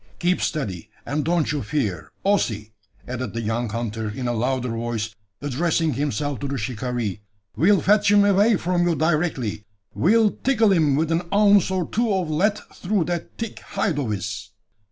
Keep steady, and don't you fear, Ossy!" added the young hunter in a louder voice, addressing himself to the shikaree. "We'll fetch him away from you directly we'll tickle him with an ounce or two of lead through that thick hide of his."